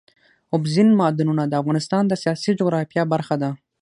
اوبزین معدنونه د افغانستان د سیاسي جغرافیه برخه ده.